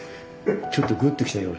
ちょっとグッときたよ